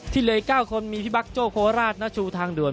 เลย๙คนมีพี่บักโจ้โคราชณชูทางด่วน